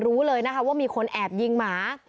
รู้เลยนะคะว่ามีคนแอบยิงหมา